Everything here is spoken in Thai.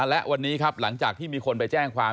และวันนี้ครับหลังจากที่มีคนไปแจ้งความ